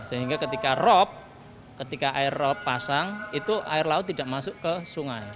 sehingga ketika aeropasang air laut tidak masuk ke sungai